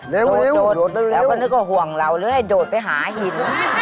โดดึกแล้วก็นึกว่าห่วงเราเลยโดดไปหาหิน